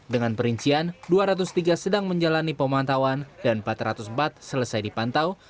dengan perincian dua ratus tiga sedang menjalani pemantauan dan empat ratus bat selesai dipantau